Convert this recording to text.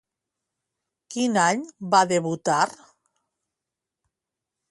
Quin any va debutar?